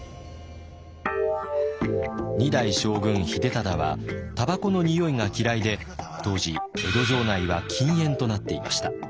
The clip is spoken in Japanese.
二代将軍秀忠はタバコのにおいが嫌いで当時江戸城内は禁煙となっていました。